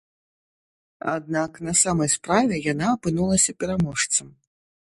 Аднак на самай справе яна апынулася пераможцам.